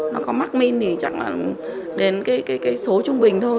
nó có mắc minh chắc là đến cái số trung bình thôi